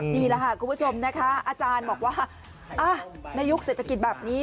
นี่แหละค่ะคุณผู้ชมนะคะอาจารย์บอกว่าในยุคเศรษฐกิจแบบนี้